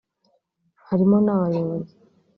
harimo n’abayobozi